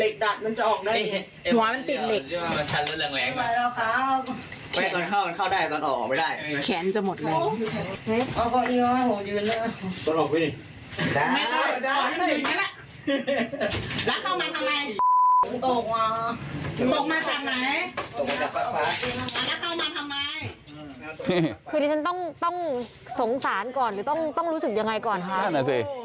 คือดิฉันต้องสงสารก่อนหรือต้องรู้สึกยังไงก่อนคะนั่นแหละสิ